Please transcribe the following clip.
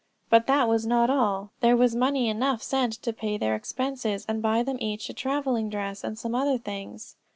But that was not all. There was money enough sent to pay their expenses, and buy them each a traveling dress, and some other things.